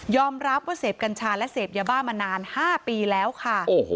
รับว่าเสพกัญชาและเสพยาบ้ามานาน๕ปีแล้วค่ะ